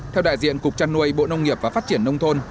theo đại diện cục trăn nuôi bộ nông nghiệp và phát triển nông thôn